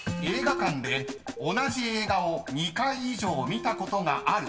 ［映画館で同じ映画を２回以上見たことがある］